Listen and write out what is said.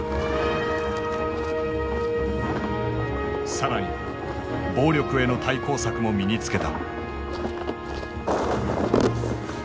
更に暴力への対抗策も身につけた。